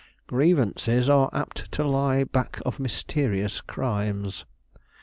"Grievances are apt to lie back of mysterious crimes."